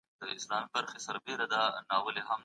سياسي کلتور د هر هېواد د پرمختګ کچه ښيي.